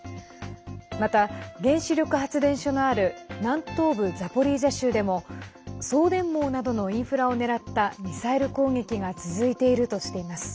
また、原子力発電所のある南東部ザポリージャ州でも送電網などのインフラを狙ったミサイル攻撃が続いているとしています。